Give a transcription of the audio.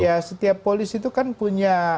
ya setiap polis itu kan punya